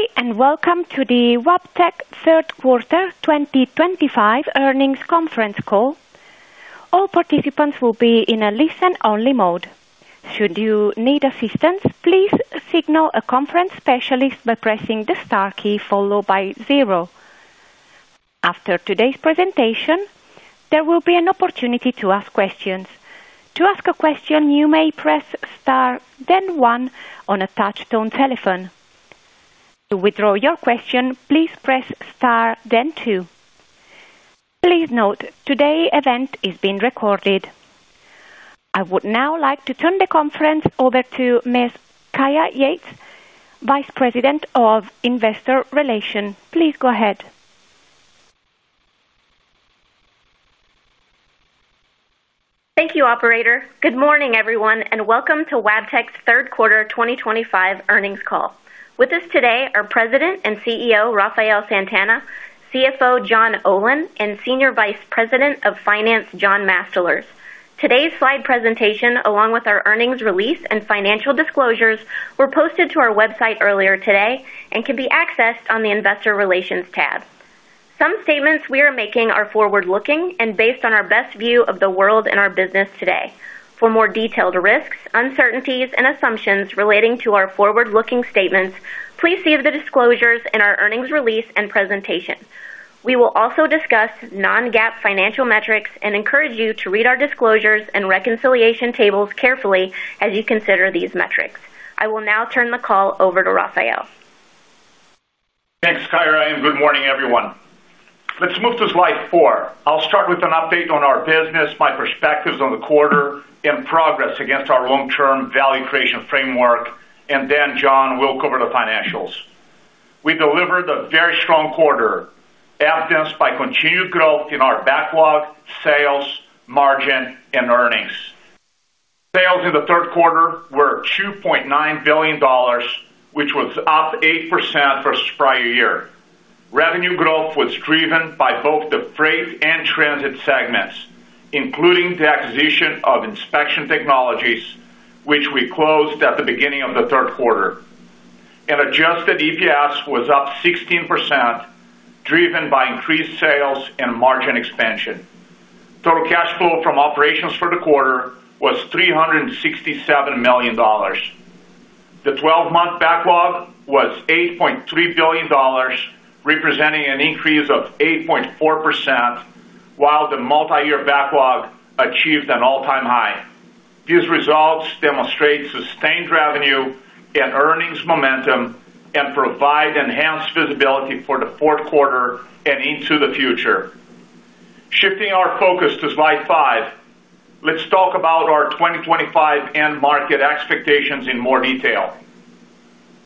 Today, and welcome to the Wabtec Third Quarter 2025 earnings conference call. All participants will be in a listen-only mode. Should you need assistance, please signal a conference specialist by pressing the star key followed by zero. After today's presentation, there will be an opportunity to ask questions. To ask a question, you may press star, then one, on a touch-tone telephone. To withdraw your question, please press star, then two. Please note, today's event is being recorded. I would now like to turn the conference over to Ms. Kyra Yates, Vice President of Investor Relations. Please go ahead. Thank you, Operator. Good morning, everyone, and welcome to Wabtec Corporation's Third Quarter 2025 earnings call. With us today are President and CEO Rafael Santana, CFO John Olin, and Senior Vice President of Finance, John Mastalerz. Today's slide presentation, along with our earnings release and financial disclosures, were posted to our website earlier today and can be accessed on the Investor Relations tab. Some statements we are making are forward-looking and based on our best view of the world and our business today. For more detailed risks, uncertainties, and assumptions relating to our forward-looking statements, please see the disclosures in our earnings release and presentation. We will also discuss non-GAAP financial metrics and encourage you to read our disclosures and reconciliation tables carefully as you consider these metrics. I will now turn the call over to Rafael. Thanks, Kyra, and good morning, everyone. Let's move to slide four. I'll start with an update on our business, my perspectives on the quarter, and progress against our long-term value creation framework, and then John will cover the financials. We delivered a very strong quarter, evidenced by continued growth in our backlog, sales, margin, and earnings. Sales in the third quarter were 2.9 billion dollars, which was up 8% versus prior year. Revenue growth was driven by both the freight and transit segments, including the acquisition of Inspection Technologies, which we closed at the beginning of the third quarter. Adjusted EPS was up 16%, driven by increased sales and margin expansion. Total cash flow from operations for the quarter was 367 million dollars. The 12-month backlog was 8.3 billion dollars, representing an increase of 8.4%, while the multi-year backlog achieved an all-time high. These results demonstrate sustained revenue and earnings momentum and provide enhanced visibility for the fourth quarter and into the future. Shifting our focus to slide five, let's talk about our 2025 end market expectations in more detail.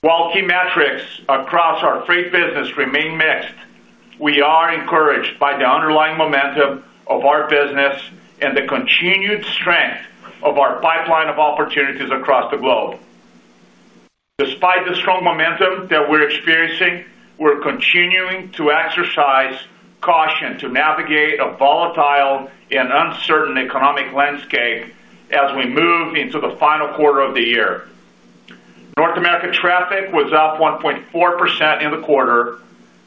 While key metrics across our freight business remain mixed, we are encouraged by the underlying momentum of our business and the continued strength of our pipeline of opportunities across the globe. Despite the strong momentum that we're experiencing, we're continuing to exercise caution to navigate a volatile and uncertain economic landscape as we move into the final quarter of the year. North America traffic was up 1.4% in the quarter.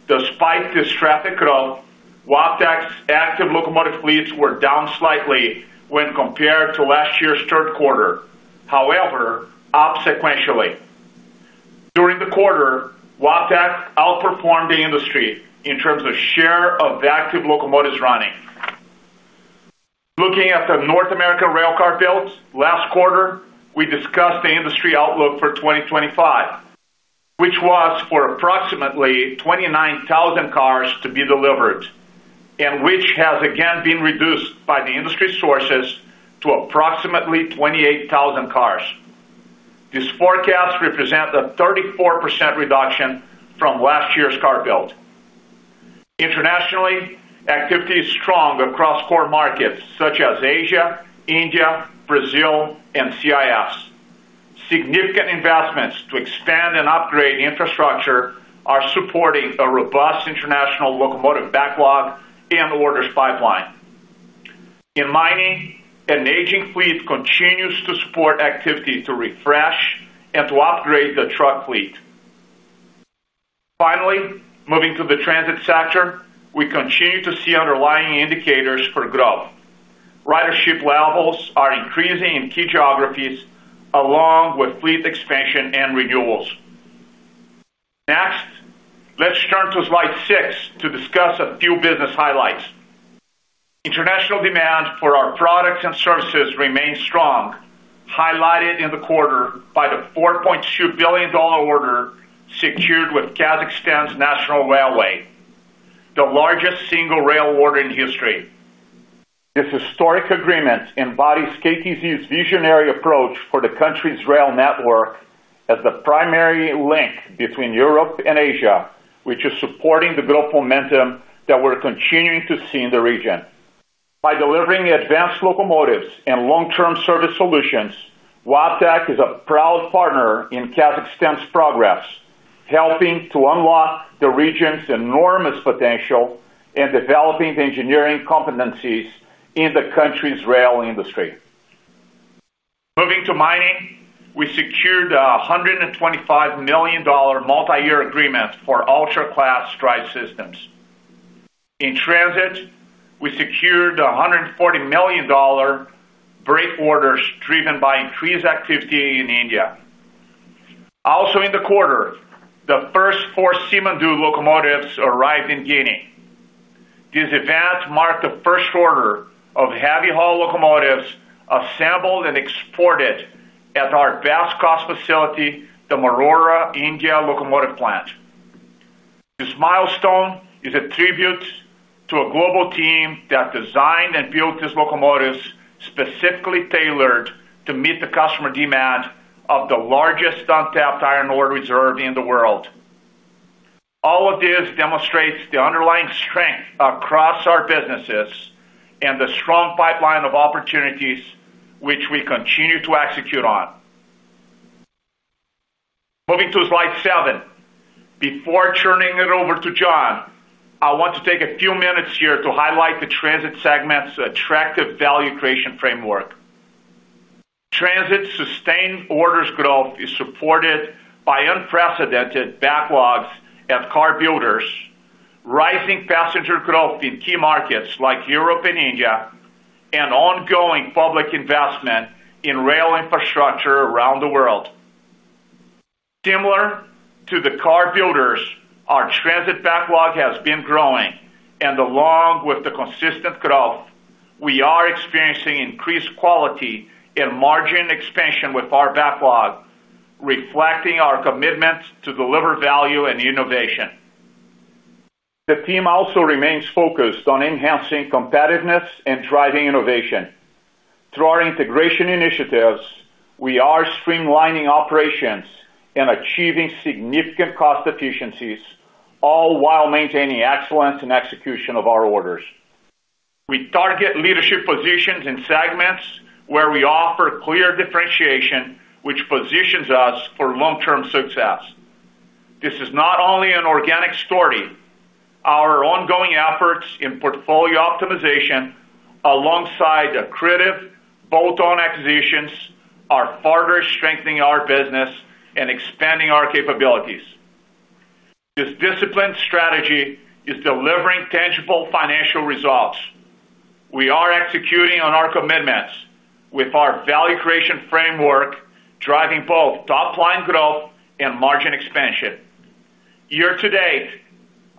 Despite this traffic growth, Wabtec's active locomotive fleets were down slightly when compared to last year's third quarter, however, up sequentially. During the quarter, Wabtec outperformed the industry in terms of share of active locomotives running. Looking at the North American railcar builds last quarter, we discussed the industry outlook for 2025, which was for approximately 29,000 cars to be delivered, and which has again been reduced by the industry sources to approximately 28,000 cars. These forecasts represent a 34% reduction from last year's car build. Internationally, activity is strong across core markets such as Asia, India, Brazil, and CIS. Significant investments to expand and upgrade infrastructure are supporting a robust international locomotive backlog and orders pipeline. In mining, an aging fleet continues to support activity to refresh and to upgrade the truck fleet. Finally, moving to the transit sector, we continue to see underlying indicators for growth. Ridership levels are increasing in key geographies along with fleet expansion and renewals. Next, let's turn to slide six to discuss a few business highlights. International demand for our products and services remains strong, highlighted in the quarter by the 4.2 billion dollar order secured with Kazakhstan’s National Railway, the largest single rail order in history. This historic agreement embodies Kazakhstan’s National Railway’s visionary approach for the country's rail network as the primary link between Europe and Asia, which is supporting the growth momentum that we're continuing to see in the region. By delivering advanced locomotives and long-term service solutions, Wabtec is a proud partner in Kazakhstan's progress, helping to unlock the region's enormous potential and developing the engineering competencies in the country's rail industry. Moving to mining, we secured a 125 million dollar multi-year agreement for ultra-class straddle systems. In transit, we secured a 140 million dollar transit brake orders driven by increased activity in India. Also in the quarter, the first four Siemens locomotives arrived in Guinea. This event marked the first order of heavy haul locomotives assembled and exported at our Marhowra, India locomotive plant. This milestone is a tribute to a global team that designed and built these locomotives specifically tailored to meet the customer demand of the largest untapped iron ore reserve in the world. All of this demonstrates the underlying strength across our businesses and the strong pipeline of opportunities which we continue to execute on. Moving to slide seven, before turning it over to John, I want to take a few minutes here to highlight the transit segment's attractive value creation framework. Transit's sustained orders growth is supported by unprecedented backlogs at car builders, rising passenger growth in key markets like Europe and India, and ongoing public investment in rail infrastructure around the world. Similar to the car builders, our transit backlog has been growing, and along with the consistent growth, we are experiencing increased quality and margin expansion with our backlog, reflecting our commitment to deliver value and innovation. The team also remains focused on enhancing competitiveness and driving innovation. Through our integration initiatives, we are streamlining operations and achieving significant cost efficiencies, all while maintaining excellence in execution of our orders. We target leadership positions in segments where we offer clear differentiation, which positions us for long-term success. This is not only an organic story; our ongoing efforts in portfolio optimization, alongside the creative bolt-on acquisitions, are further strengthening our business and expanding our capabilities. This disciplined strategy is delivering tangible financial results. We are executing on our commitments with our value creation framework, driving both top-line growth and margin expansion. Year to date,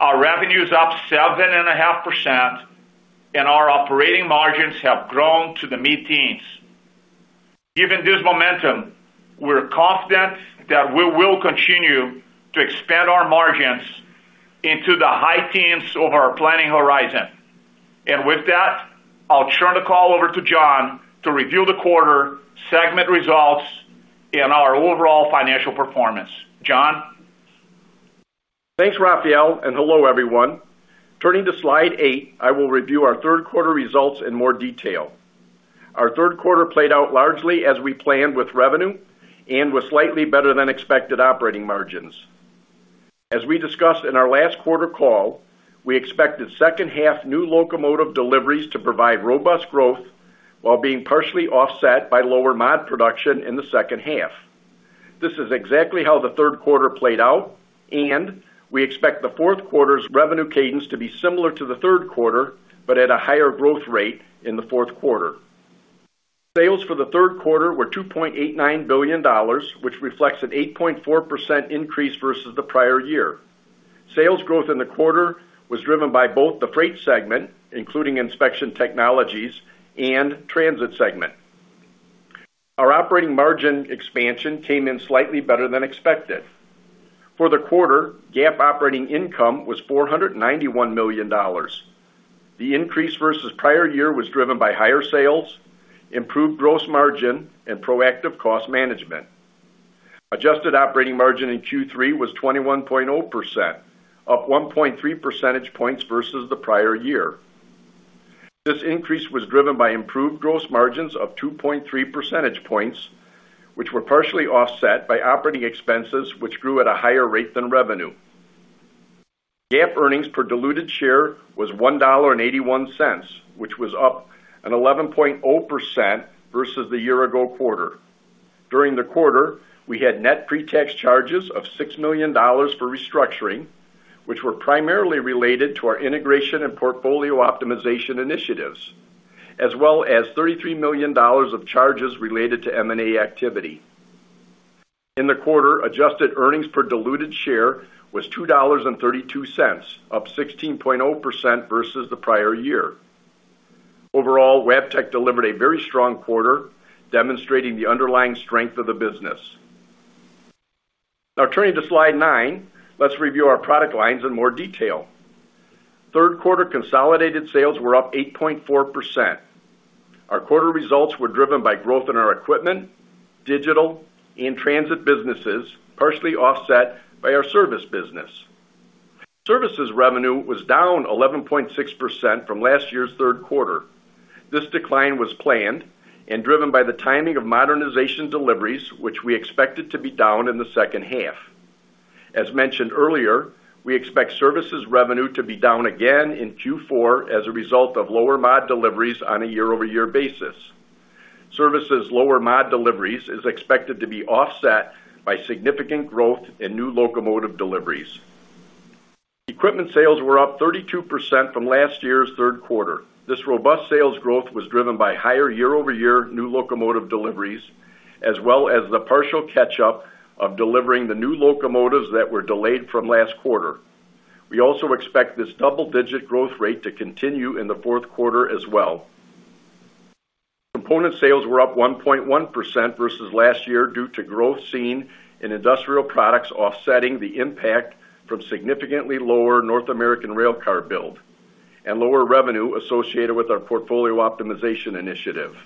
our revenue is up 7.5%, and our operating margins have grown to the mid-teens. Given this momentum, we're confident that we will continue to expand our margins into the high teens of our planning horizon. With that, I'll turn the call over to John to review the quarter segment results and our overall financial performance. John? Thanks, Rafael, and hello, everyone. Turning to slide eight, I will review our third quarter results in more detail. Our third quarter played out largely as we planned with revenue and with slightly better than expected operating margins. As we discussed in our last quarter call, we expected second-half new locomotive deliveries to provide robust growth while being partially offset by lower mod production in the second half. This is exactly how the third quarter played out, and we expect the fourth quarter's revenue cadence to be similar to the third quarter, but at a higher growth rate in the fourth quarter. Sales for the third quarter were 2.89 billion dollars, which reflects an 8.4% increase versus the prior year. Sales growth in the quarter was driven by both the freight segment, including Inspection Technologies, and the transit segment. Our operating margin expansion came in slightly better than expected. For the quarter, GAAP operating income was 491 million dollars. The increase versus prior year was driven by higher sales, improved gross margin, and proactive cost management. Adjusted operating margin in Q3 was 21.0%, up 1.3 percentage points versus the prior year. This increase was driven by improved gross margins of 2.3 percentage points, which were partially offset by operating expenses, which grew at a higher rate than revenue. GAAP earnings per diluted share was 1.81 dollar, which was up 11.0% versus the year-ago quarter. During the quarter, we had net pretax charges of 6 million dollars for restructuring, which were primarily related to our integration and portfolio optimization initiatives, as well as 33 million dollars of charges related to M&A activity. In the quarter, adjusted earnings per diluted share was 2.32 dollars, up 16.0% versus the prior year. Overall, Wabtec delivered a very strong quarter, demonstrating the underlying strength of the business. Now, turning to slide nine, let's review our product lines in more detail. Third quarter consolidated sales were up 8.4%. Our quarter results were driven by growth in our equipment, digital, and transit businesses, partially offset by our service business. Services revenue was down 11.6% from last year's third quarter. This decline was planned and driven by the timing of modernization deliveries, which we expected to be down in the second half. As mentioned earlier, we expect services revenue to be down again in Q4 as a result of lower mod deliveries on a year-over-year basis. Services' lower mod deliveries are expected to be offset by significant growth in new locomotive deliveries. Equipment sales were up 32% from last year's third quarter. This robust sales growth was driven by higher year-over-year new locomotive deliveries, as well as the partial catch-up of delivering the new locomotives that were delayed from last quarter. We also expect this double-digit growth rate to continue in the fourth quarter as well. Component sales were up 1.1% versus last year due to growth seen in industrial products, offsetting the impact from significantly lower North American railcar build and lower revenue associated with our portfolio optimization initiative.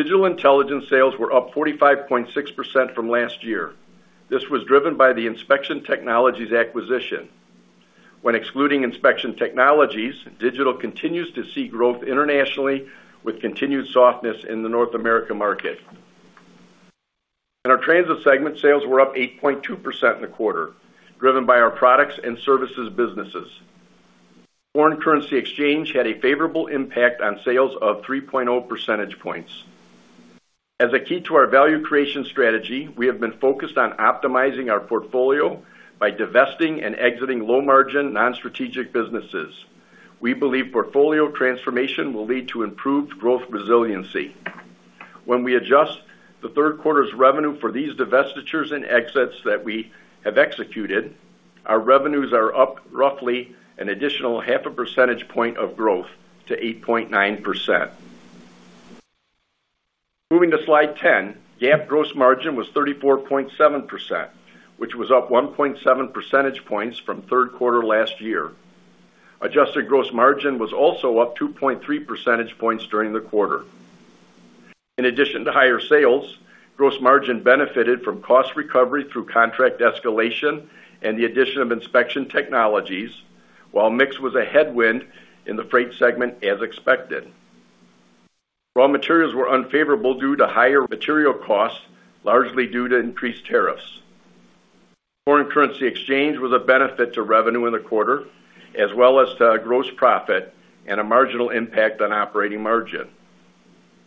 Digital intelligence sales were up 45.6% from last year. This was driven by the Inspection Technologies acquisition. When excluding Inspection Technologies, digital continues to see growth internationally with continued softness in the North America market. In our transit segment, sales were up 8.2% in the quarter, driven by our products and services businesses. Foreign currency exchange had a favorable impact on sales of 3.0 percentage points. As a key to our value creation strategy, we have been focused on optimizing our portfolio by divesting and exiting low-margin, non-strategic businesses. We believe portfolio transformation will lead to improved growth resiliency. When we adjust the third quarter's revenue for these divestitures and exits that we have executed, our revenues are up roughly an additional half a percentage point of growth to 8.9%. Moving to slide 10, GAAP gross margin was 34.7%, which was up 1.7 percentage points from third quarter last year. Adjusted gross margin was also up 2.3 percentage points during the quarter. In addition to higher sales, gross margin benefited from cost recovery through contract escalation and the addition of Inspection Technologies, while mix was a headwind in the freight segment as expected. Raw materials were unfavorable due to higher material costs, largely due to increased tariffs. Foreign currency exchange was a benefit to revenue in the quarter, as well as to gross profit and a marginal impact on operating margin.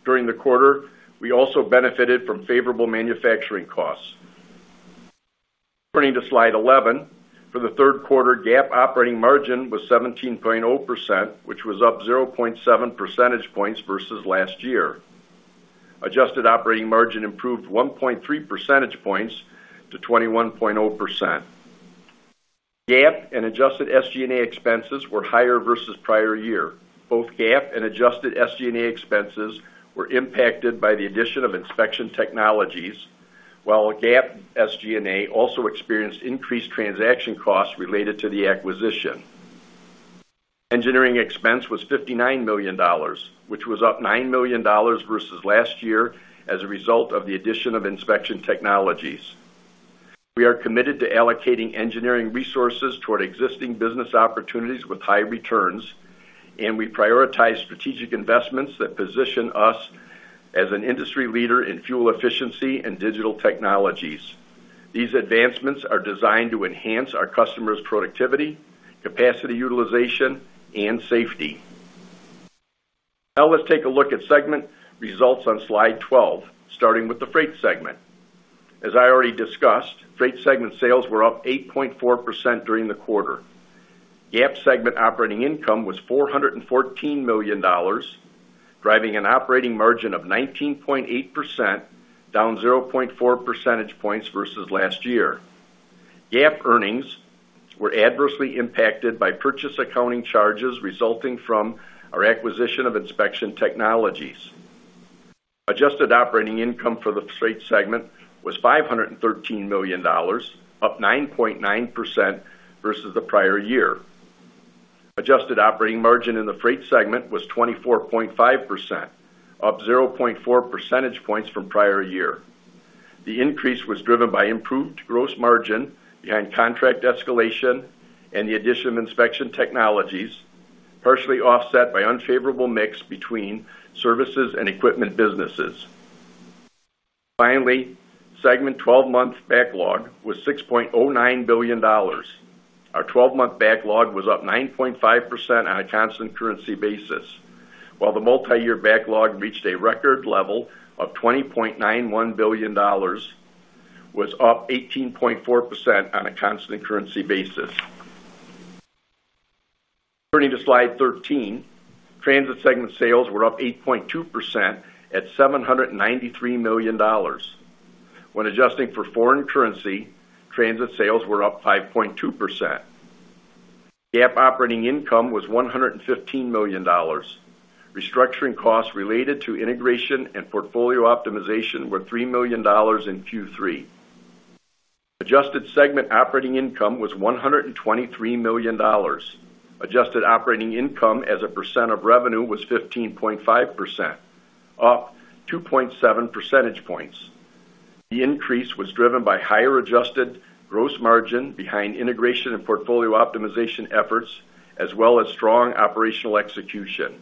During the quarter, we also benefited from favorable manufacturing costs. Turning to slide 11, for the third quarter, GAAP operating margin was 17.0%, which was up 0.7 percentage points versus last year. Adjusted operating margin improved 1.3 percentage points to 21.0%. GAAP and adjusted SG&A expenses were higher versus prior year. Both GAAP and adjusted SG&A expenses were impacted by the addition of Inspection Technologies, while GAAP SG&A also experienced increased transaction costs related to the acquisition. Engineering expense was 59 million dollars, which was up 9 million dollars versus last year as a result of the addition of Inspection Technologies. We are committed to allocating engineering resources toward existing business opportunities with high returns, and we prioritize strategic investments that position us as an industry leader in fuel efficiency and digital technologies. These advancements are designed to enhance our customers' productivity, capacity utilization, and safety. Now let's take a look at segment results on slide 12, starting with the freight segment. As I already discussed, freight segment sales were up 8.4% during the quarter. GAAP segment operating income was 414 million dollars, driving an operating margin of 19.8%, down 0.4 percentage points versus last year. GAAP earnings were adversely impacted by purchase accounting charges resulting from our acquisition of Inspection Technologies. Adjusted operating income for the freight segment was 513 million dollars, up 9.9% versus the prior year. Adjusted operating margin in the freight segment was 24.5%, up 0.4 percentage points from prior year. The increase was driven by improved gross margin behind contract escalation and the addition of Inspection Technologies, partially offset by unfavorable mix between services and equipment businesses. Finally, segment 12-month backlog was 6.09 billion dollars. Our 12-month backlog was up 9.5% on a constant currency basis, while the multi-year backlog reached a record level of 20.91 billion dollars, was up 18.4% on a constant currency basis. Turning to slide 13, transit segment sales were up 8.2% at 793 million dollars. When adjusting for foreign currency, transit sales were up 5.2%. GAAP operating income was 115 million dollars. Restructuring costs related to integration and portfolio optimization were 3 million dollars in Q3. Adjusted segment operating income was 123 million dollars. Adjusted operating income as a percent of revenue was 15.5%, up 2.7 percentage points. The increase was driven by higher adjusted gross margin behind integration and portfolio optimization efforts, as well as strong operational execution.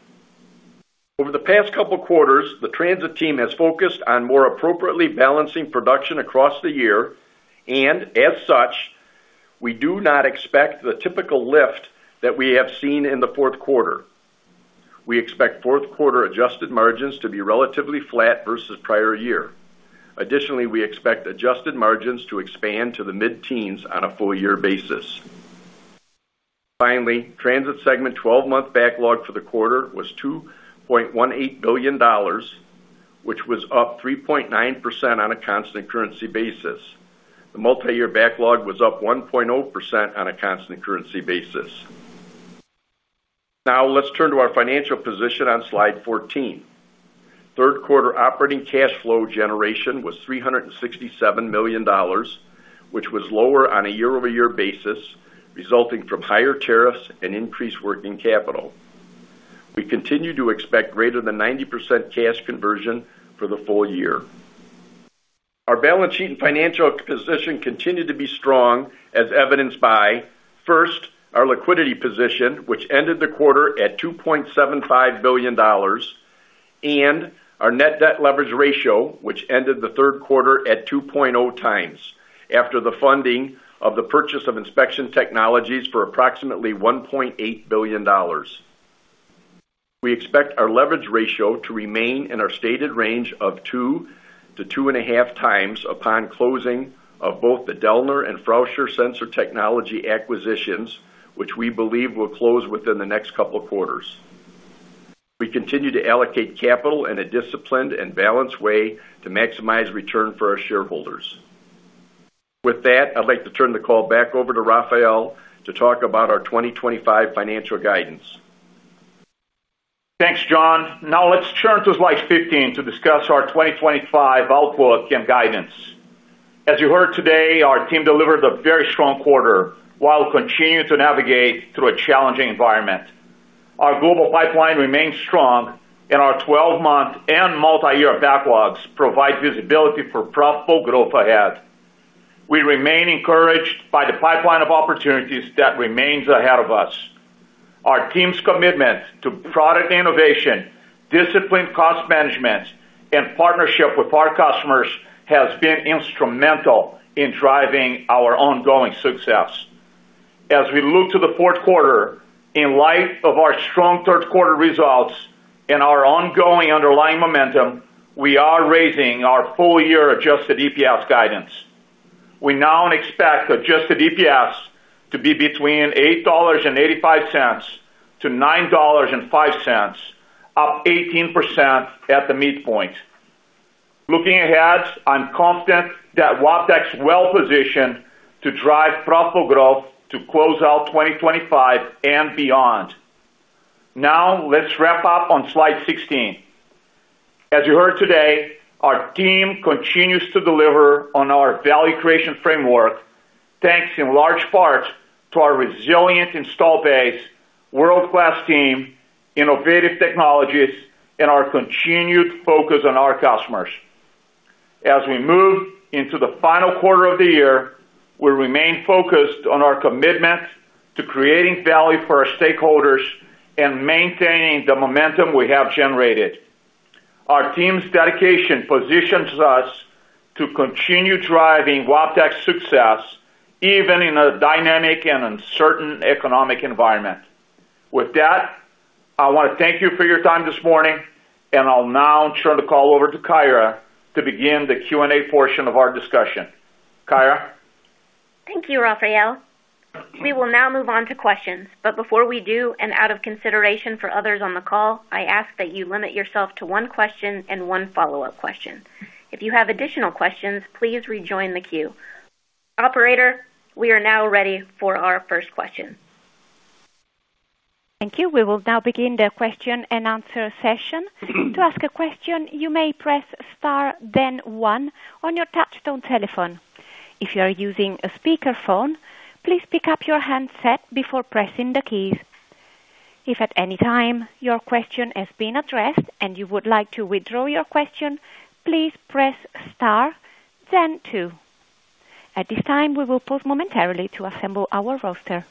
Over the past couple of quarters, the transit team has focused on more appropriately balancing production across the year, and as such, we do not expect the typical lift that we have seen in the fourth quarter. We expect fourth quarter adjusted margins to be relatively flat versus prior year. Additionally, we expect adjusted margins to expand to the mid-teens on a full-year basis. Finally, transit segment 12-month backlog for the quarter was 2.18 billion dollars, which was up 3.9% on a constant currency basis. The multi-year backlog was up 1.0% on a constant currency basis. Now let's turn to our financial position on slide 14. Third quarter operating cash flow generation was 367 million dollars, which was lower on a year-over-year basis, resulting from higher tariffs and increased working capital. We continue to expect greater than 90% cash conversion for the full year. Our balance sheet and financial position continue to be strong, as evidenced by first our liquidity position, which ended the quarter at 2.75 billion dollars, and our net debt leverage ratio, which ended the third quarter at 2.0 times after the funding of the purchase of Inspection Technologies for approximately 1.8 billion dollars. We expect our leverage ratio to remain in our stated range of 2-2.5 times upon closing of both the Delner and Frauscher sensor technology acquisitions, which we believe will close within the next couple of quarters. We continue to allocate capital in a disciplined and balanced way to maximize return for our shareholders. With that, I'd like to turn the call back over to Rafael to talk about our 2025 financial guidance. Thanks, John. Now let's turn to slide 15 to discuss our 2025 outlook and guidance. As you heard today, our team delivered a very strong quarter while continuing to navigate through a challenging environment. Our global pipeline remains strong, and our 12-month and multi-year backlogs provide visibility for profitable growth ahead. We remain encouraged by the pipeline of opportunities that remains ahead of us. Our team's commitment to product innovation, disciplined cost management, and partnership with our customers has been instrumental in driving our ongoing success. As we look to the fourth quarter, in light of our strong third-quarter results and our ongoing underlying momentum, we are raising our full-year adjusted EPS guidance. We now expect adjusted EPS to be between 8.85 dollars to 9.05 dollars, up 18% at the midpoint. Looking ahead, I'm confident that Wabtec is well-positioned to drive profitable growth to close out 2025 and beyond. Now let's wrap up on slide 16. As you heard today, our team continues to deliver on our value creation framework, thanks in large part to our resilient install base, world-class team, innovative technologies, and our continued focus on our customers. As we move into the final quarter of the year, we remain focused on our commitment to creating value for our stakeholders and maintaining the momentum we have generated. Our team's dedication positions us to continue driving Wabtec's success, even in a dynamic and uncertain economic environment. With that, I want to thank you for your time this morning, and I'll now turn the call over to Kyra to begin the Q&A portion of our discussion. Kyra? Thank you, Rafael. We will now move on to questions. Before we do, and out of consideration for others on the call, I ask that you limit yourself to one question and one follow-up question. If you have additional questions, please rejoin the queue. Operator, we are now ready for our first question. Thank you. We will now begin the question and answer session. To ask a question, you may press star, then one, on your touch-tone telephone. If you are using a speakerphone, please pick up your handset before pressing the keys. If at any time your question has been addressed and you would like to withdraw your question, please press star, then two. At this time, we will pause momentarily to assemble our roster.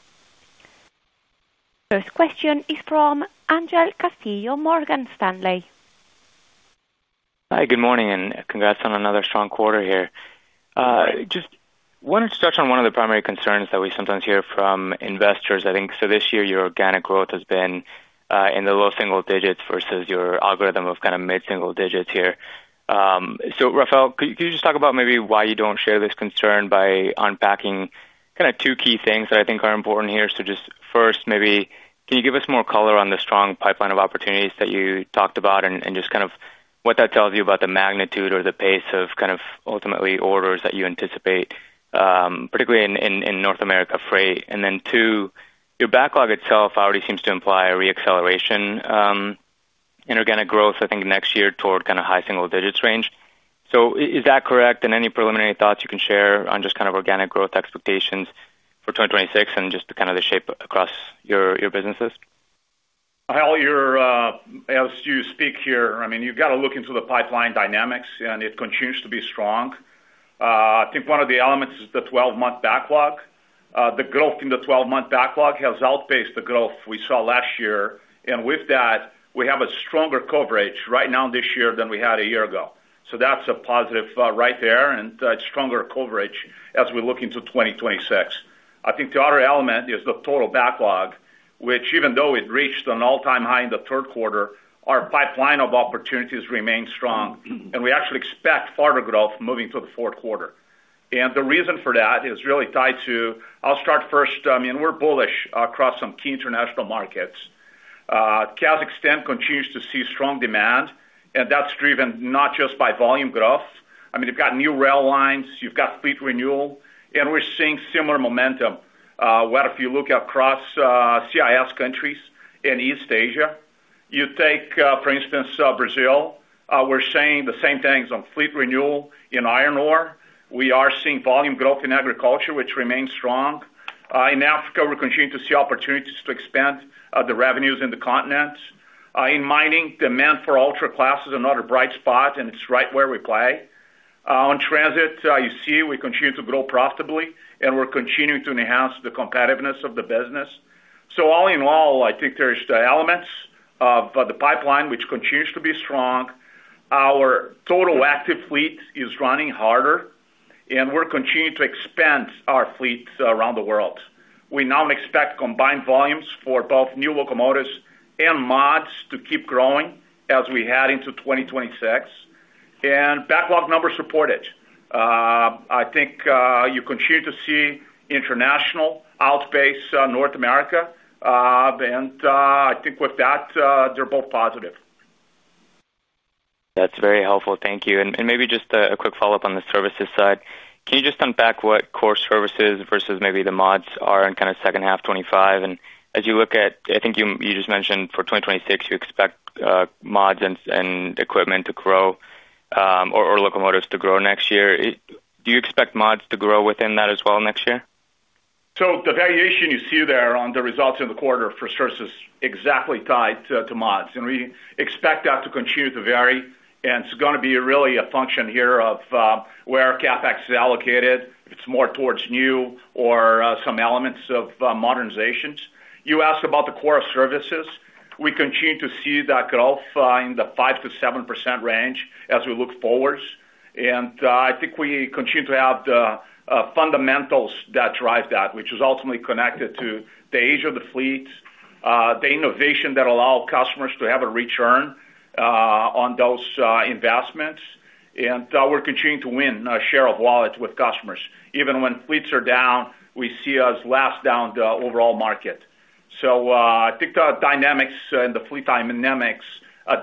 First question is from Angel Castillo, Morgan Stanley. Hi, good morning, and congrats on another strong quarter here. Just one introduction on one of the primary concerns that we sometimes hear from investors, I think. This year, your organic growth has been in the low single digits versus your algorithm of kind of mid-single digits here. Rafael, could you just talk about maybe why you don't share this concern by unpacking kind of two key things that I think are important here? First, maybe can you give us more color on the strong pipeline of opportunities that you talked about and just kind of what that tells you about the magnitude or the pace of ultimately orders that you anticipate, particularly in North America freight? Then, your backlog itself already seems to imply a reacceleration in organic growth, I think next year toward kind of high single digits range. Is that correct? Any preliminary thoughts you can share on just kind of organic growth expectations for 2026 and just the kind of the shape across your businesses? As you speak here, I mean, you've got to look into the pipeline dynamics, and it continues to be strong. I think one of the elements is the 12-month backlog. The growth in the 12-month backlog has outpaced the growth we saw last year, and with that, we have a stronger coverage right now this year than we had a year ago. That's a positive right there, and it's stronger coverage as we look into 2026. I think the other element is the total backlog, which even though it reached an all-time high in the third quarter, our pipeline of opportunities remains strong, and we actually expect further growth moving to the fourth quarter. The reason for that is really tied to, I'll start first. I mean, we're bullish across some key international markets. Kazakhstan continues to see strong demand, and that's driven not just by volume growth. I mean, they've got new rail lines, you've got fleet renewal, and we're seeing similar momentum. If you look across CIS countries in East Asia, you take, for instance, Brazil. We're seeing the same things on fleet renewal in iron ore. We are seeing volume growth in agriculture, which remains strong. In Africa, we continue to see opportunities to expand the revenues in the continent. In mining, demand for ultra classes is another bright spot, and it's right where we play. On transit, you see we continue to grow profitably, and we're continuing to enhance the competitiveness of the business. All in all, I think there's the elements of the pipeline, which continues to be strong. Our total active fleet is running harder, and we're continuing to expand our fleets around the world. We now expect combined volumes for both new locomotives and mods to keep growing as we head into 2026, and backlog numbers support it. I think you continue to see international outpace North America, and I think with that, they're both positive. That's very helpful. Thank you. Maybe just a quick follow-up on the services side. Can you just unpack what core services versus maybe the mods are in kind of second half 2025? As you look at, I think you just mentioned for 2026, you expect mods and equipment to grow, or locomotives to grow next year. Do you expect mods to grow within that as well next year? The variation you see there on the results in the quarter for services is exactly tied to mods, and we expect that to continue to vary. It's going to be really a function here of where CapEx is allocated, if it's more towards new or some elements of modernizations. You asked about the core of services. We continue to see that growth in the 5% to 7% range as we look forwards. I think we continue to have the fundamentals that drive that, which is ultimately connected to the age of the fleet, the innovation that allows customers to have a return on those investments. We're continuing to win a share of wallets with customers. Even when fleets are down, we see us last down the overall market. I think the dynamics and the fleet dynamics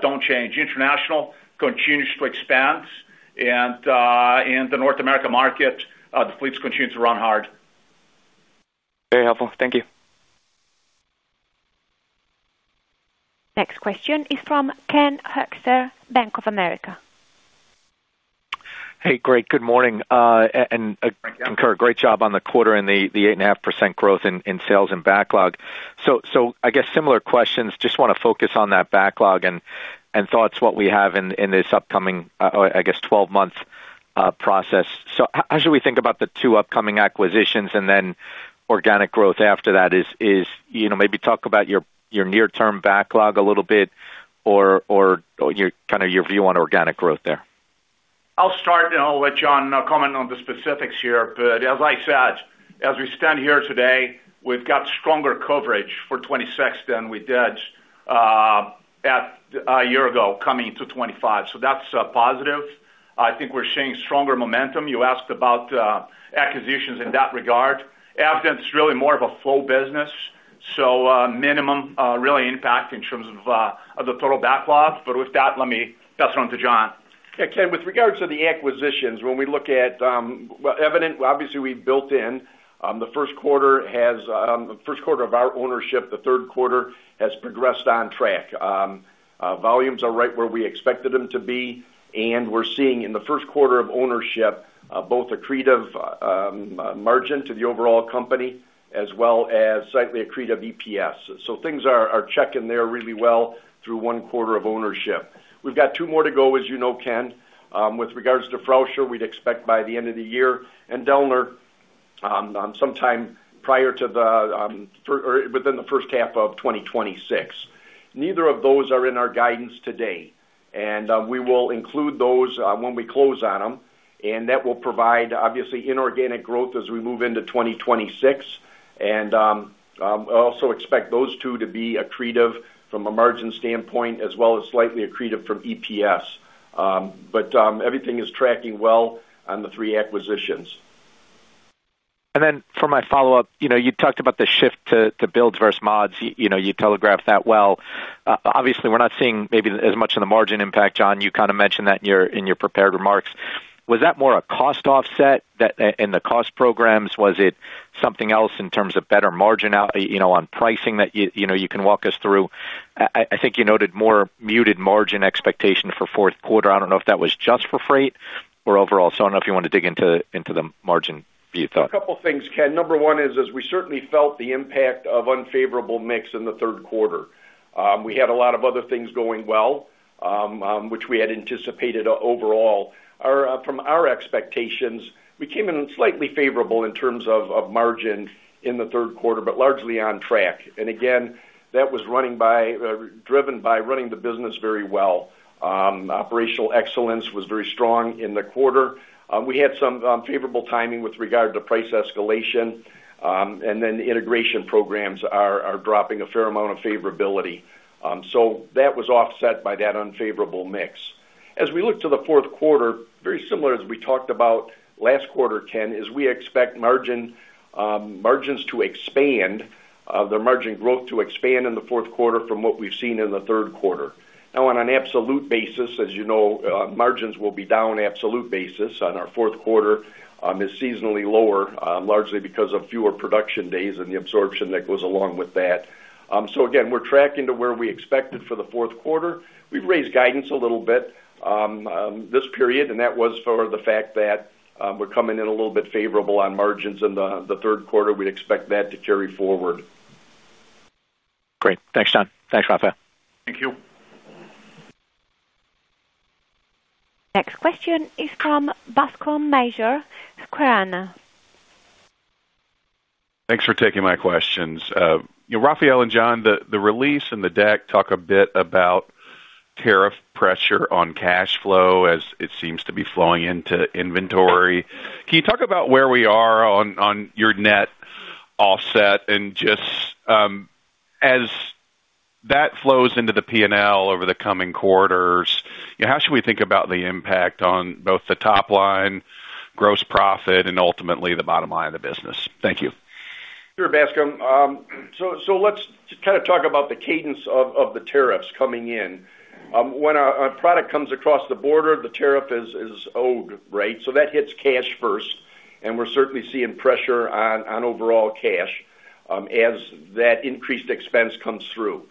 don't change. International continues to expand, and in the North America market, the fleets continue to run hard. Very helpful. Thank you. Next question is from Ken Hoekster, Bank of America. Hey, great. Good morning. Concur, great job on the quarter and the 8.5% growth in sales and backlog. I guess similar questions, just want to focus on that backlog and thoughts on what we have in this upcoming, I guess, 12-month process. How should we think about the two upcoming acquisitions and then organic growth after that? Maybe talk about your near-term backlog a little bit or your view on organic growth there? I'll start with John commenting on the specifics here. As I said, as we stand here today, we've got stronger coverage for 2026 than we did a year ago coming to 2025. That's a positive. I think we're seeing stronger momentum. You asked about acquisitions in that regard. Evident it's really more of a flow business, so minimum impact in terms of the total backlog. With that, let me pass it on to John. Yeah, Ken, with regards to the acquisitions, when we look at, well, evident, obviously, we built in, the first quarter has, the first quarter of our ownership, the third quarter has progressed on track. Volumes are right where we expected them to be, and we're seeing in the first quarter of ownership, both accretive margin to the overall company as well as slightly accretive EPS. Things are checking there really well through one quarter of ownership. We've got two more to go, as you know, Ken. With regards to Frauscher, we'd expect by the end of the year, and Delner, sometime prior to the, or within the first half of 2026. Neither of those are in our guidance today. We will include those when we close on them. That will provide, obviously, inorganic growth as we move into 2026. I also expect those two to be accretive from a margin standpoint as well as slightly accretive from EPS. Everything is tracking well on the three acquisitions. For my follow-up, you talked about the shift to builds versus mods. You telegraphed that well. Obviously, we're not seeing maybe as much of the margin impact, John. You kind of mentioned that in your prepared remarks. Was that more a cost offset in the cost programs? Was it something else in terms of better margin out, you know, on pricing that you can walk us through? I think you noted more muted margin expectation for fourth quarter. I don't know if that was just for freight or overall. I don't know if you want to dig into the margin view thought. A couple of things, Ken. Number one is, as we certainly felt the impact of unfavorable mix in the third quarter, we had a lot of other things going well, which we had anticipated overall. From our expectations, we came in slightly favorable in terms of margin in the third quarter, but largely on track. That was driven by running the business very well. Operational excellence was very strong in the quarter. We had some unfavorable timing with regard to price escalation, and then the integration programs are dropping a fair amount of favorability. That was offset by that unfavorable mix. As we look to the fourth quarter, very similar as we talked about last quarter, Ken, we expect margin, margins to expand, the margin growth to expand in the fourth quarter from what we've seen in the third quarter. Now, on an absolute basis, as you know, margins will be down on an absolute basis as our fourth quarter is seasonally lower, largely because of fewer production days and the absorption that goes along with that. We're tracking to where we expected for the fourth quarter. We've raised guidance a little bit this period, and that was for the fact that we're coming in a little bit favorable on margins in the third quarter. We'd expect that to carry forward. Great. Thanks, John. Thanks, Rafael. Thank you. Next question is from Bascome Majors, Susquehanna. Thanks for taking my questions. Rafael and John, the release and the deck talk a bit about tariff pressure on cash flow as it seems to be flowing into inventory. Can you talk about where we are on your net offset and just as that flows into the P&L over the coming quarters? How should we think about the impact on both the top line, gross profit, and ultimately the bottom line of the business? Thank you. Sure, Bascome. Let's kind of talk about the cadence of the tariffs coming in. When a product comes across the border, the tariff is owed, right? That hits cash first. We're certainly seeing pressure on overall cash as that increased expense comes through.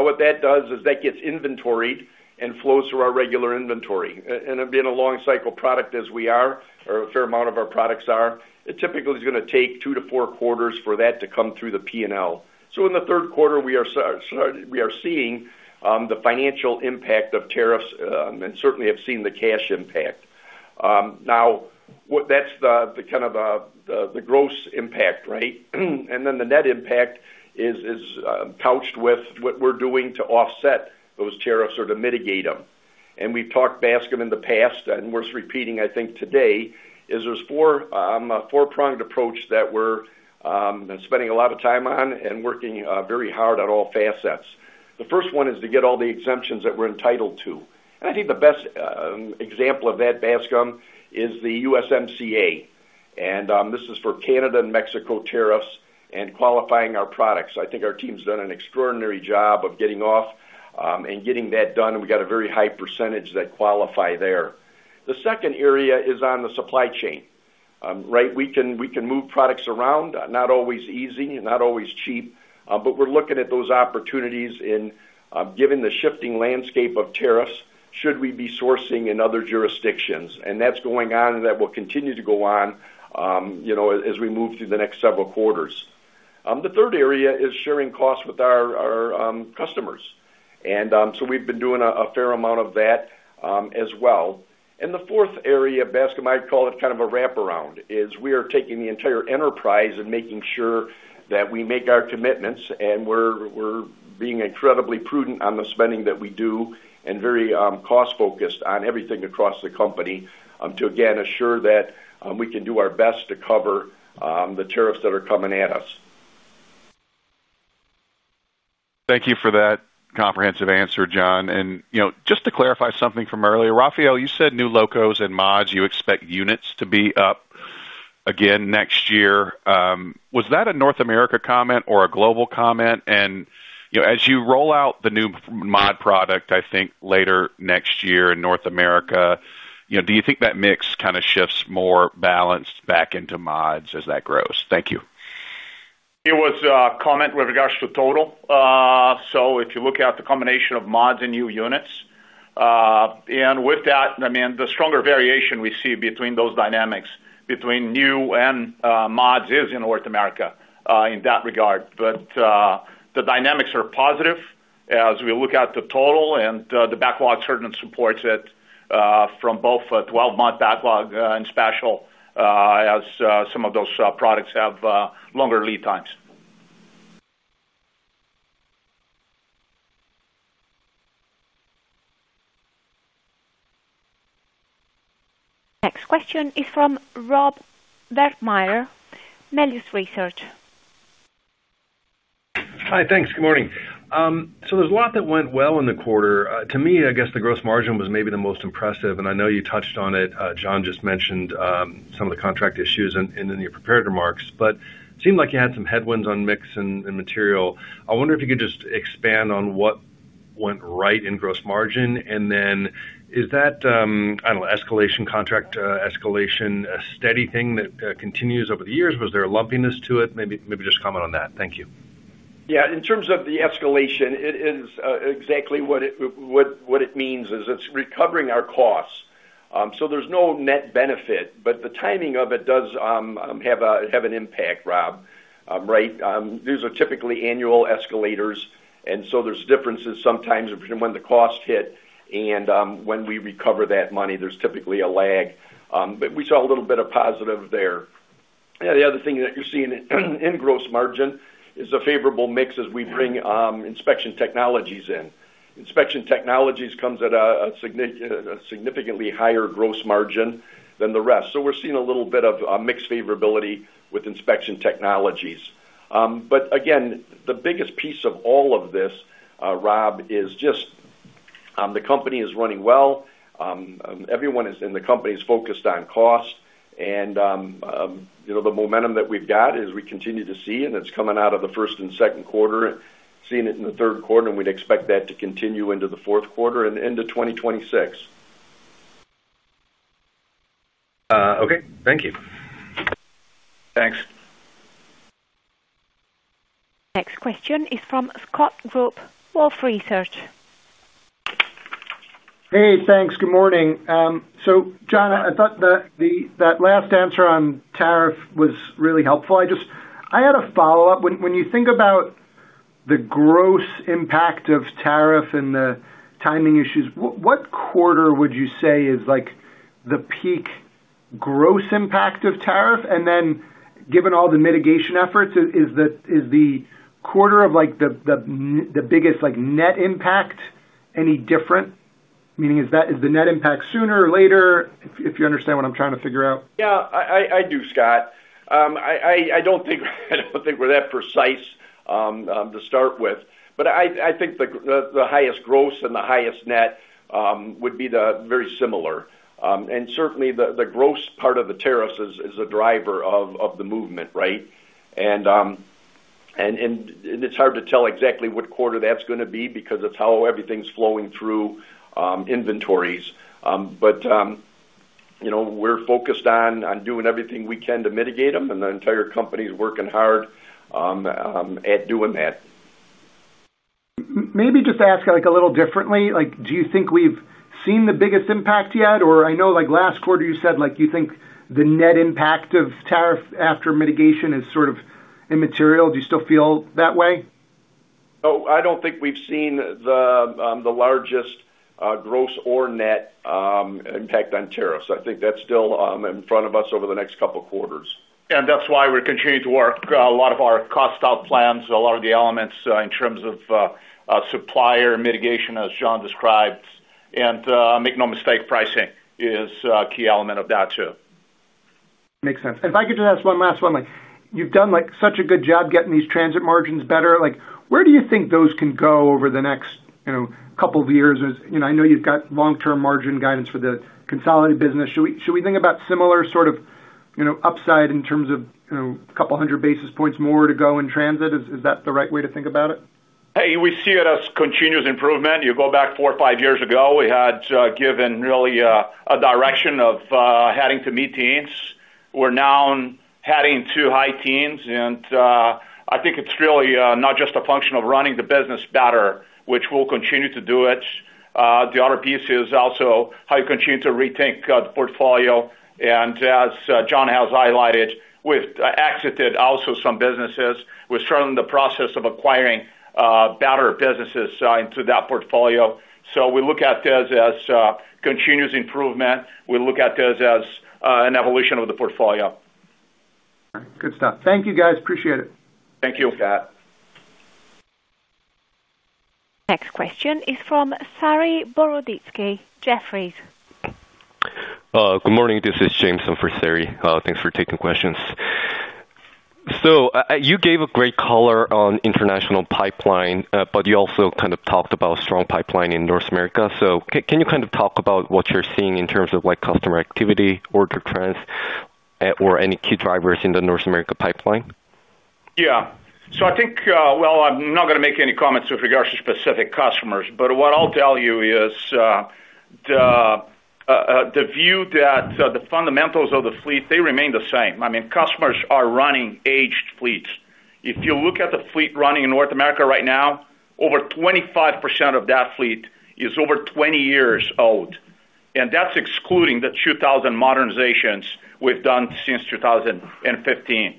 What that does is that gets inventoried and flows through our regular inventory. It being a long cycle product as we are, or a fair amount of our products are, it typically is going to take two to four quarters for that to come through the P&L. In the third quarter, we are starting, we are seeing the financial impact of tariffs, and certainly have seen the cash impact. That's the gross impact, right? The net impact is couched with what we're doing to offset those tariffs or to mitigate them. We've talked, Bascome, in the past, and worth repeating, I think, today, there's a four-pronged approach that we're spending a lot of time on and working very hard on all facets. The first one is to get all the exemptions that we're entitled to. I think the best example of that, Bascome, is the USMCA. This is for Canada and Mexico tariffs and qualifying our products. I think our team's done an extraordinary job of getting off and getting that done. We got a very high percentage that qualify there. The second area is on the supply chain, right? We can move products around, not always easy, not always cheap, but we're looking at those opportunities given the shifting landscape of tariffs, should we be sourcing in other jurisdictions? That's going on, and that will continue to go on as we move through the next several quarters. The third area is sharing costs with our customers. We've been doing a fair amount of that as well. The fourth area, Bascome, I'd call it kind of a wraparound, is we are taking the entire enterprise and making sure that we make our commitments, and we're being incredibly prudent on the spending that we do and very cost-focused on everything across the company to again assure that we can do our best to cover the tariffs that are coming at us. Thank you for that comprehensive answer, John. Just to clarify something from earlier, Rafael, you said new locos and mods, you expect units to be up again next year. Was that a North America comment or a global comment? As you roll out the new mod product, I think, later next year in North America, do you think that mix kind of shifts more balanced back into mods as that grows? Thank you. It was a comment with regards to total. If you look at the combination of mods and new units, and with that, I mean, the stronger variation we see between those dynamics between new and mods is in North America in that regard. The dynamics are positive as we look at the total, and the backlog certainly supports it from both a 12-month backlog and special, as some of those products have longer lead times. Next question is from Rob Wertheimer, Melius Research. Hi, thanks. Good morning. There's a lot that went well in the quarter. To me, I guess the gross margin was maybe the most impressive. I know you touched on it. John just mentioned some of the contract issues in your prepared remarks. It seemed like you had some headwinds on mix and material. I wonder if you could just expand on what went right in gross margin. Is that, I don't know, contract escalation a steady thing that continues over the years? Was there a lumpiness to it? Maybe just comment on that. Thank you. Yeah, in terms of the escalation, exactly what it means is it's recovering our costs. There's no net benefit, but the timing of it does have an impact, Rob, right? These are typically annual escalators, and there's differences sometimes between when the costs hit and when we recover that money. There's typically a lag, but we saw a little bit of positive there. The other thing that you're seeing in gross margin is a favorable mix as we bring Inspection Technologies in. Inspection Technologies comes at a significantly higher gross margin than the rest, so we're seeing a little bit of a mixed favorability with Inspection Technologies. Again, the biggest piece of all of this, Rob, is just the company is running well. Everyone in the company is focused on cost, and, you know, the momentum that we've got is we continue to see, and it's coming out of the first and second quarter, seeing it in the third quarter, and we'd expect that to continue into the fourth quarter and into 2026. Okay, thank you. Thanks. Next question is from Scott Group, Wolfe Research. Hey, thanks. Good morning. John, I thought that last answer on tariff was really helpful. I just had a follow-up. When you think about the gross impact of tariff and the timing issues, what quarter would you say is the peak gross impact of tariff? Given all the mitigation efforts, is the quarter of the biggest net impact any different? Meaning, is the net impact sooner or later if you understand what I'm trying to figure out? Yeah, I do, Scott. I don't think we're that precise, to start with. I think the highest gross and the highest net would be very similar. Certainly, the gross part of the tariffs is a driver of the movement, right? It's hard to tell exactly what quarter that's going to be because it's how everything's flowing through inventories. We're focused on doing everything we can to mitigate them, and the entire company is working hard at doing that. Maybe just ask a little differently. Do you think we've seen the biggest impact yet? I know last quarter you said you think the net impact of tariff after mitigation is sort of immaterial. Do you still feel that way? No, I don't think we've seen the largest, gross or net, impact on tariffs. I think that's still in front of us over the next couple of quarters. We are continuing to work on a lot of our cost-out plans and the elements in terms of supplier mitigation as John described. Make no mistake, pricing is a key element of that too. Makes sense. If I could just ask one last one, you've done such a good job getting these transit margins better. Where do you think those can go over the next couple of years? As you know, I know you've got long-term margin guidance for the consolidated business. Should we think about similar sort of upside in terms of a couple hundred basis points more to go in transit? Is that the right way to think about it? We see it as continuous improvement. You go back four or five years ago, we had given, really, a direction of heading to mid-teens. We're now heading to high-teens. I think it's really not just a function of running the business better, which we'll continue to do. The other piece is also how you continue to rethink the portfolio. As John has highlighted, we've exited also some businesses. We're starting the process of acquiring better businesses into that portfolio. We look at this as continuous improvement. We look at this as an evolution of the portfolio. All right. Good stuff. Thank you, guys. Appreciate it. Thank you, Kat. Next question is from Saree Boroditsky, Jefferies. Good morning. This is James from Forseri. Thanks for taking questions. You gave great color on international pipeline, but you also kind of talked about a strong pipeline in North America. Can you kind of talk about what you're seeing in terms of customer activity, order trends, or any key drivers in the North America pipeline? I think, I'm not going to make any comments with regards to specific customers. What I'll tell you is the view that the fundamentals of the fleet remain the same. Customers are running aged fleets. If you look at the fleet running in North America right now, over 25% of that fleet is over 20 years old. That's excluding the 2,000 modernizations we've done since 2015.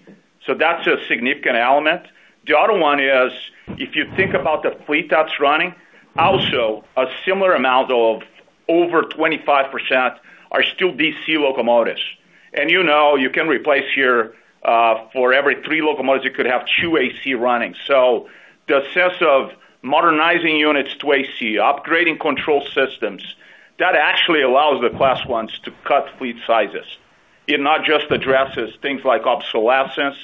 That's a significant element. The other one is if you think about the fleet that's running, also a similar amount of over 25% are still DC locomotives. You know, you can replace here, for every three locomotives, you could have two AC running. The sense of modernizing units to AC, upgrading control systems, that actually allows the Class Ones to cut fleet sizes. It not just addresses things like obsolescence.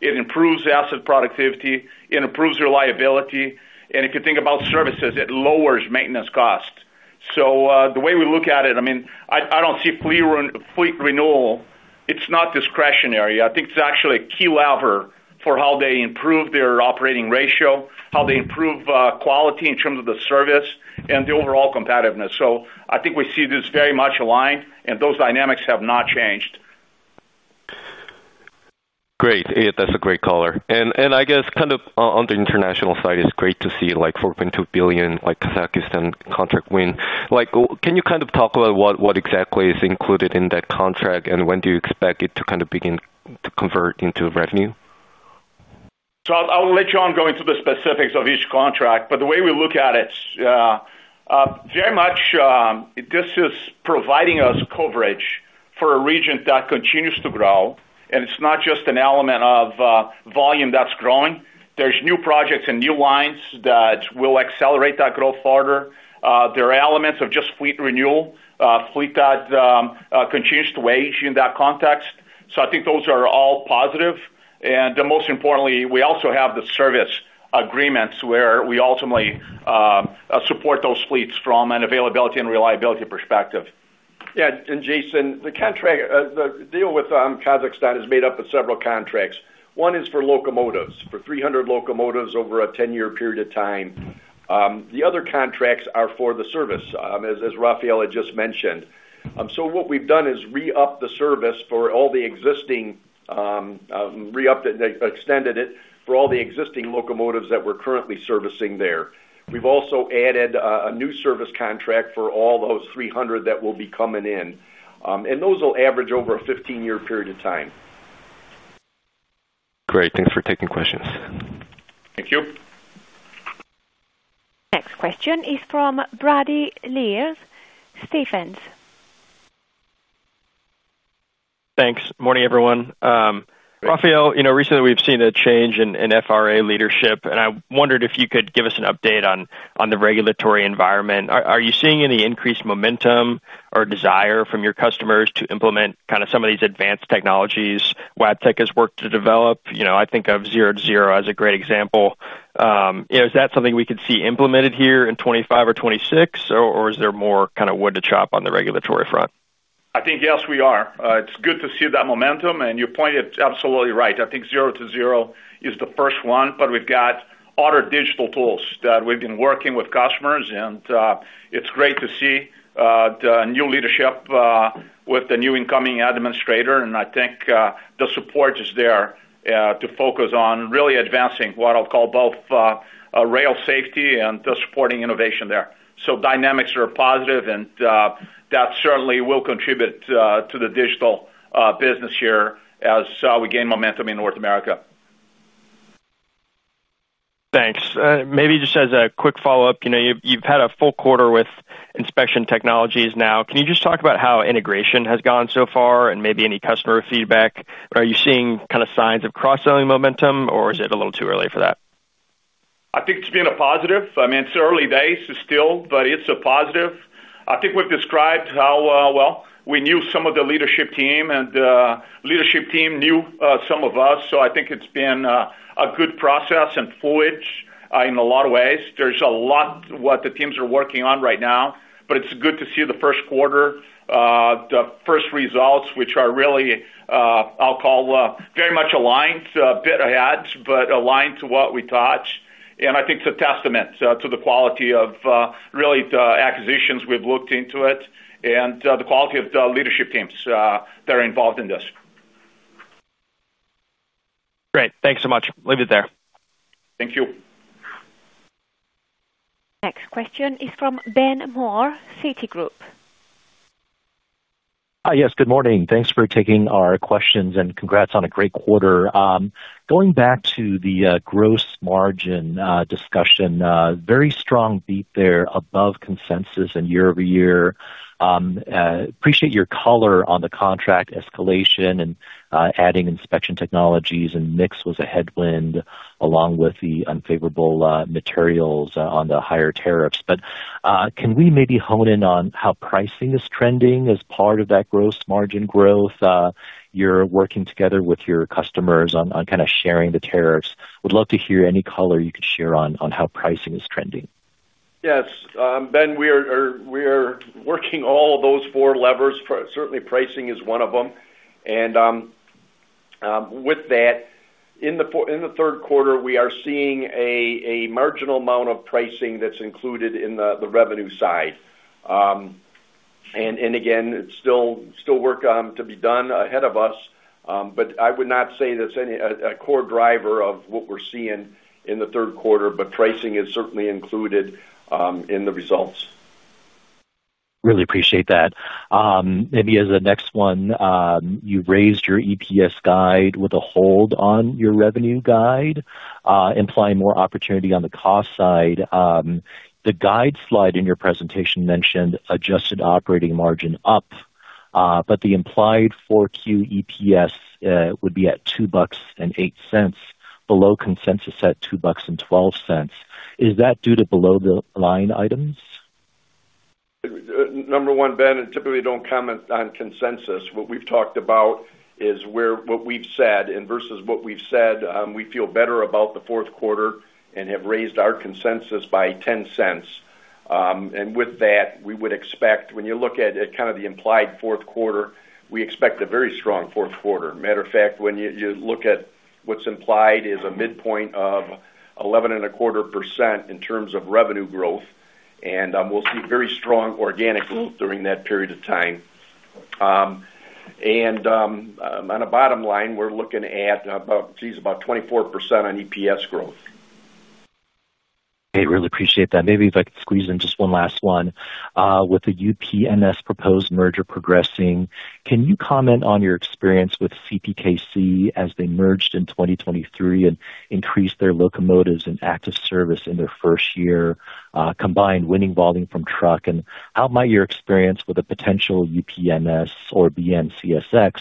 It improves asset productivity. It improves reliability. If you think about services, it lowers maintenance cost. The way we look at it, I don't see fleet renewal. It's not discretionary. I think it's actually a key lever for how they improve their operating ratio, how they improve quality in terms of the service, and the overall competitiveness. I think we see this very much aligned, and those dynamics have not changed. Great. That's a great caller. I guess kind of on the international side, it's great to see like 4.2 billion Kazakhstan contract win. Can you kind of talk about what exactly is included in that contract, and when do you expect it to kind of begin to convert into revenue? I won't go into the specifics of each contract, but the way we look at it, very much, this is providing us coverage for a region that continues to grow. It's not just an element of volume that's growing. There are new projects and new lines that will accelerate that growth further. There are elements of just fleet renewal, fleet that continues to age in that context. I think those are all positive. Most importantly, we also have the service agreements where we ultimately support those fleets from an availability and reliability perspective. Yeah. Jason, the deal with Kazakhstan is made up of several contracts. One is for locomotives, for 300 locomotives over a 10-year period of time. The other contracts are for the service, as Rafael had just mentioned. What we've done is re-up the service for all the existing, re-upped it and extended it for all the existing locomotives that we're currently servicing there. We've also added a new service contract for all those 300 that will be coming in. Those will average over a 15-year period of time. Great. Thanks for taking questions. Thank you. Next question is from Brady Lierz, Stephens. Thanks. Morning, everyone. Rafael, you know, recently we've seen a change in FRA leadership, and I wondered if you could give us an update on the regulatory environment. Are you seeing any increased momentum or desire from your customers to implement some of these advanced technologies Wabtec has worked to develop? I think of Zero2Zero as a great example. Is that something we could see implemented here in 2025 or 2026, or is there more wood to chop on the regulatory front? I think, yes, we are. It's good to see that momentum, and you pointed absolutely right. I think Zero2Zero is the first one, but we've got other digital tools that we've been working with customers. It's great to see the new leadership with the new incoming administrator. I think the support is there to focus on really advancing what I'll call both rail safety and the supporting innovation there. Dynamics are positive, and that certainly will contribute to the digital business here as we gain momentum in North America. Thanks. Maybe just as a quick follow-up, you know, you've had a full quarter with Inspection Technologies now. Can you just talk about how integration has gone so far and maybe any customer feedback? Are you seeing kind of signs of cross-selling momentum, or is it a little too early for that? I think it's been a positive. I mean, it's early days still, but it's a positive. I think we've described how we knew some of the leadership team, and the leadership team knew some of us. I think it's been a good process and fluid in a lot of ways. There's a lot of what the teams are working on right now, but it's good to see the first quarter, the first results, which are really, I'll call, very much aligned, a bit ahead, but aligned to what we touched. I think it's a testament to the quality of really the acquisitions we've looked into and the quality of the leadership teams that are involved in this. Great, thanks so much. Leave it there. Thank you. Next question is from Ben Moore, Citigroup. Yes, good morning. Thanks for taking our questions and congrats on a great quarter. Going back to the gross margin discussion, very strong beat there above consensus and year-over-year. Appreciate your color on the contract escalation and adding Inspection Technologies, and mix was a headwind along with the unfavorable materials on the higher tariffs. Can we maybe hone in on how pricing is trending as part of that gross margin growth? You're working together with your customers on kind of sharing the tariffs. Would love to hear any color you could share on how pricing is trending. Yes. Ben, we are working all of those four levers. Certainly, pricing is one of them. With that, in the third quarter, we are seeing a marginal amount of pricing that's included in the revenue side. Again, it's still work to be done ahead of us. I would not say that's a core driver of what we're seeing in the third quarter, but pricing is certainly included in the results. Really appreciate that. Maybe as a next one, you raised your EPS guide with a hold on your revenue guide, implying more opportunity on the cost side. The guide slide in your presentation mentioned adjusted operating margin up, but the implied 4Q EPS would be at 2.08 bucks, below consensus at 2.12 bucks. Is that due to below-the-line items? Number one, Ben, typically don't comment on consensus. What we've talked about is where what we've said versus what we've said. We feel better about the fourth quarter and have raised our consensus by 0.10. With that, we would expect, when you look at it, kind of the implied fourth quarter, we expect a very strong fourth quarter. Matter of fact, when you look at what's implied, it is a midpoint of 11.25% in terms of revenue growth. We'll see very strong organic growth during that period of time. On a bottom line, we're looking at about, geez, about 24% on EPS growth. Hey, really appreciate that. Maybe if I could squeeze in just one last one. With the UPNS proposed merger progressing, can you comment on your experience with CPKC as they merged in 2023 and increased their locomotives and active service in their first year, combined winning volume from truck? How might your experience with a potential UPNS or BNCSX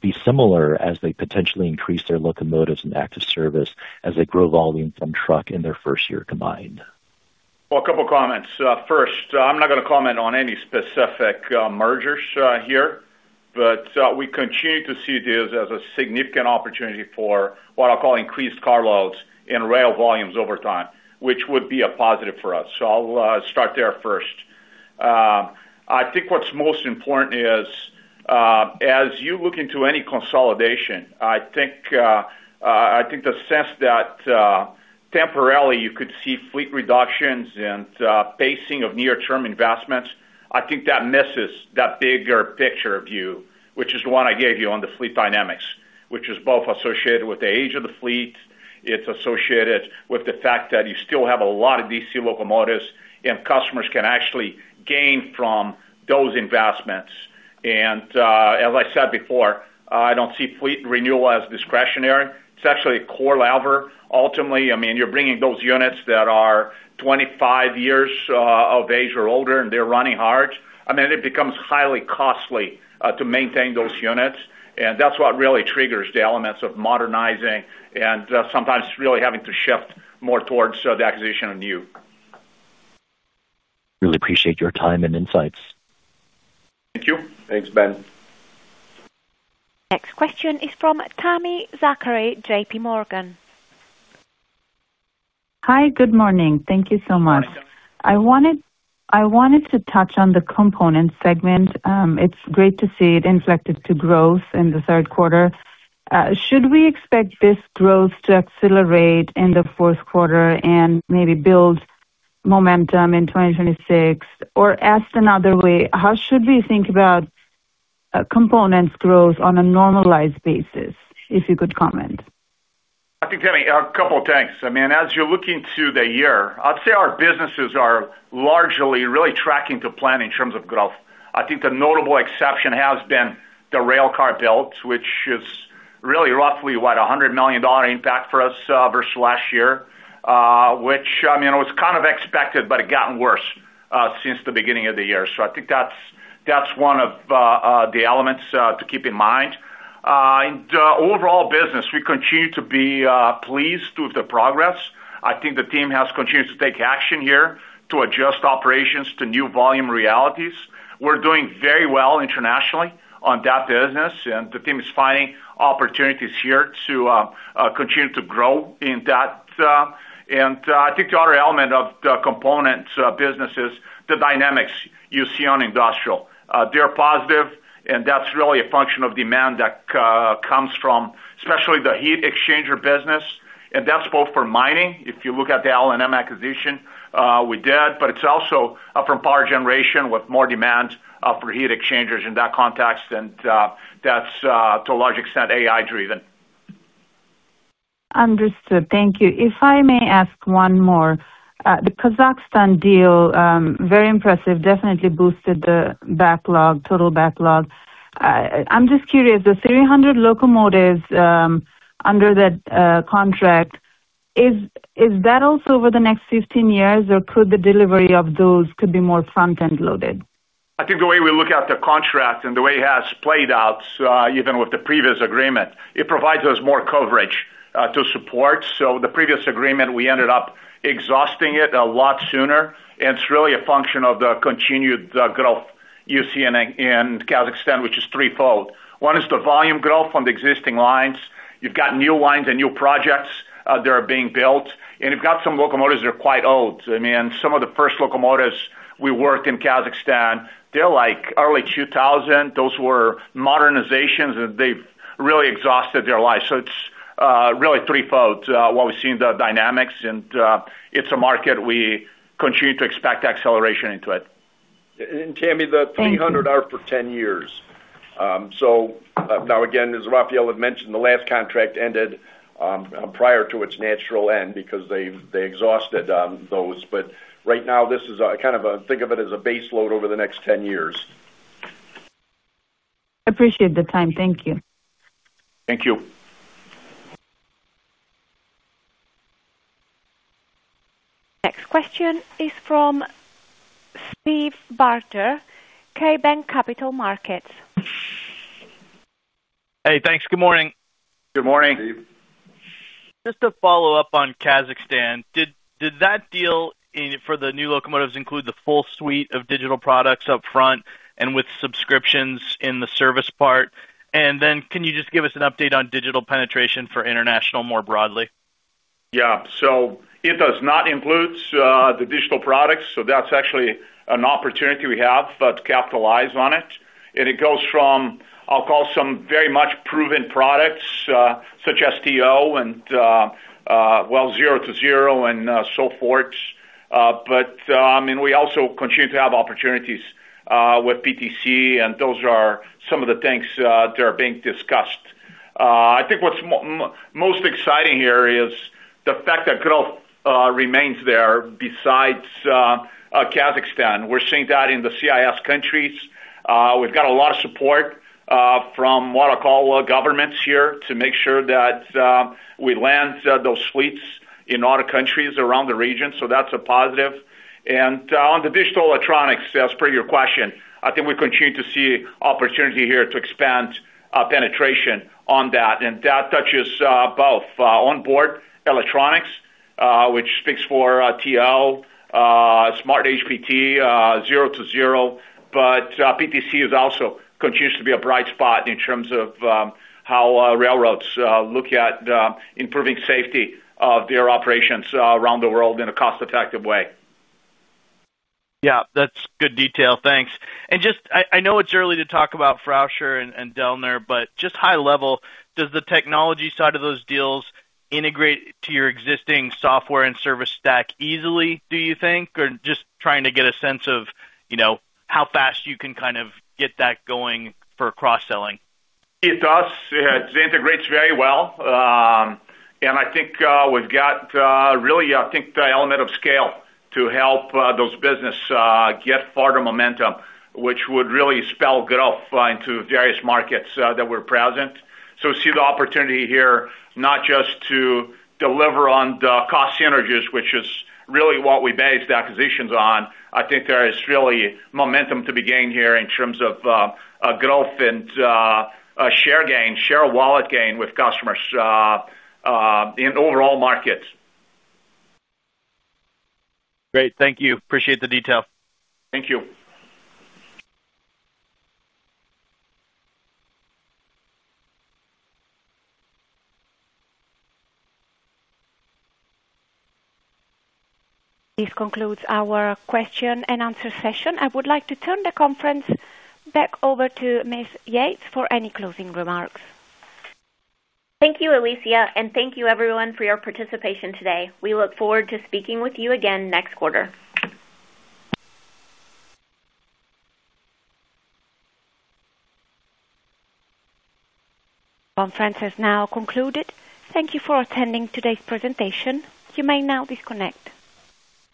be similar as they potentially increase their locomotives and active service as they grow volume from truck in their first year combined? A couple of comments. First, I'm not going to comment on any specific mergers here, but we continue to see these as a significant opportunity for what I'll call increased car loads and rail volumes over time, which would be a positive for us. I'll start there first. I think what's most important is, as you look into any consolidation, the sense that temporarily you could see fleet reductions and pacing of near-term investments misses that bigger picture view, which is the one I gave you on the fleet dynamics, which is both associated with the age of the fleet. It's associated with the fact that you still have a lot of DC locomotives and customers can actually gain from those investments. As I said before, I don't see fleet renewal as discretionary. It's actually a core lever. Ultimately, you're bringing those units that are 25 years of age or older, and they're running hard. It becomes highly costly to maintain those units. That's what really triggers the elements of modernizing and sometimes really having to shift more towards the acquisition of new. Really appreciate your time and insights. Thank you. Thanks, Ben. Next question is from Tami Zakaria, J.P. Morgan. Hi, good morning. Thank you so much. I wanted to touch on the component segment. It's great to see it inflected to growth in the third quarter. Should we expect this growth to accelerate in the fourth quarter and maybe build momentum in 2026? Or asked another way, how should we think about components growth on a normalized basis, if you could comment? I think, Tami, a couple of things. I mean, as you're looking to the year, I'd say our businesses are largely really tracking to plan in terms of growth. I think the notable exception has been the railcar builds, which is really roughly, what, a 100 million dollar impact for us versus last year, which, I mean, it was kind of expected, but it got worse since the beginning of the year. I think that's one of the elements to keep in mind. Overall, business, we continue to be pleased with the progress. I think the team has continued to take action here to adjust operations to new volume realities. We're doing very well internationally on that business, and the team is finding opportunities here to continue to grow in that. I think the other element of the components business is the dynamics you see on industrial. They're positive, and that's really a function of demand that comes from especially the heat exchanger business. That's both for mining, if you look at the L&M acquisition we did, but it's also from power generation with more demand for heat exchangers in that context. That's, to a large extent, AI-driven. Understood. Thank you. If I may ask one more, the Kazakhstan deal, very impressive, definitely boosted the backlog, total backlog. I'm just curious, the 300 locomotives under that contract, is that also over the next 15 years, or could the delivery of those be more front-end loaded? I think the way we look at the contracts and the way it has played out, even with the previous agreement, it provides us more coverage to support. The previous agreement, we ended up exhausting it a lot sooner. It's really a function of the continued growth you see in Kazakhstan, which is threefold. One is the volume growth on the existing lines. You've got new lines and new projects that are being built, and you've got some locomotives that are quite old. I mean, some of the first locomotives we worked in Kazakhstan, they're like early 2000. Those were modernizations, and they've really exhausted their lives. It's really threefold, what we see in the dynamics. It's a market we continue to expect acceleration into. Tami, the 300 are for 10 years. As Rafael had mentioned, the last contract ended prior to its natural end because they exhausted those. Right now, this is kind of a, think of it as a baseload over the next 10 years. I appreciate the time. Thank you. Thank you. Next question is from Steve Barger, KeyBanc. Hey, thanks. Good morning. Good morning. Steve, just a follow-up on Kazakhstan. Did that deal for the new locomotives include the full suite of digital products up front with subscriptions in the service part? Can you give us an update on digital penetration for international more broadly? Yeah. It does not include the digital products. That's actually an opportunity we have to capitalize on. It goes from, I'll call, some very much proven products, such as TO and, well, Zero2Zero and so forth. I mean, we also continue to have opportunities with PTC. Those are some of the things that are being discussed. I think what's most exciting here is the fact that growth remains there besides Kazakhstan. We're seeing that in the CIS countries. We've got a lot of support from what I'll call governments here to make sure that we land those fleets in other countries around the region. That's a positive. On the digital electronics, as per your question, I think we continue to see opportunity here to expand penetration on that. That touches both onboard electronics, which speaks for TO, SmartHPT, Zero2Zero. PTC also continues to be a bright spot in terms of how railroads look at improving safety of their operations around the world in a cost-effective way. Yeah, that's good detail. Thanks. I know it's early to talk about Frauscher and Delner, but just high level, does the technology side of those deals integrate to your existing software and service stack easily, do you think? Just trying to get a sense of, you know, how fast you can kind of get that going for cross-selling. It does. It integrates very well, and I think we've got, really, the element of scale to help those businesses get further momentum, which would really spell growth into various markets that we're present. We see the opportunity here not just to deliver on the cost synergies, which is really what we based acquisitions on. I think there is really momentum to be gained here in terms of growth and share gain, share wallet gain with customers in overall markets. Great. Thank you. Appreciate the detail. Thank you. This concludes our question and answer session. I would like to turn the conference back over to Ms. Yates for any closing remarks. Thank you, Alicia, and thank you, everyone, for your participation today. We look forward to speaking with you again next quarter. Conference is now concluded. Thank you for attending today's presentation. You may now disconnect.